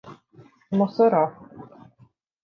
Mossoró